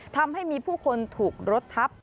ทำให้มีผู้คนถูกรถทับ